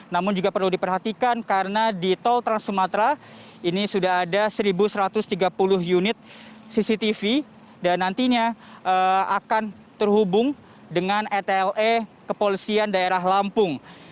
namun juga perlu diperhatikan karena di tol trans sumatera ini sudah ada satu satu ratus tiga puluh unit cctv dan nantinya akan terhubung dengan etle kepolisian daerah lampung